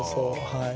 はい。